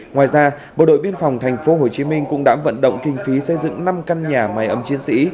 ngoài ra bộ đội biên phòng tp hcm cũng đã vận động kinh phí xây dựng năm căn nhà máy ấm chiến sĩ